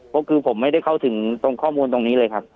ก็คือผมไม่ได้เข้าถึงตรงข้อมูลตรงนี้เลยครับ